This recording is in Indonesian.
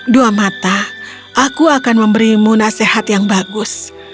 dua mata aku akan memberimu nasihat yang bagus